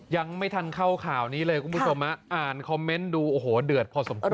ยังไม่ทันเข้าข่าวนี้เลยคุณผู้ชมอ่านคอมเมนต์ดูโอ้โหเดือดพอสมควร